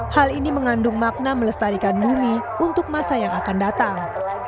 hal ini mengandung makna melestarikan bumi untuk masa yang akan datang